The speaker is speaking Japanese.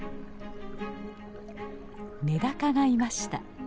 メダカがいました。